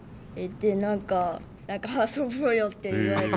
何か遊ぼうよって言われて。